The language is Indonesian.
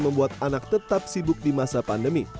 membuat anak tetap sibuk di masa pandemi